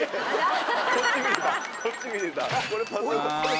こっち見てた。